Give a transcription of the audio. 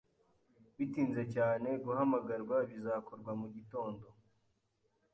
bitinze cyane, guhamagarwa bizakorwa mugitondo,